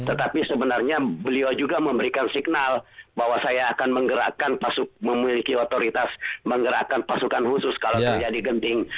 tetapi sebenarnya beliau juga memberikan signal bahwa saya akan menggerakkan memiliki otoritas menggerakkan pasukan khusus kalau terjadi genting